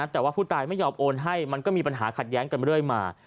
แต่ว่าผู้ตายไม่ยอมโอนให้มันก็มีปัญหาขัดแย้งกันเรื่อยมา